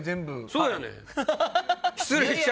そうやねん！